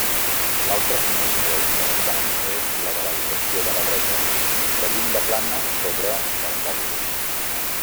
L'altra finestra interessant és la de l'habitació de la dreta de llinda plana sobre permòdols.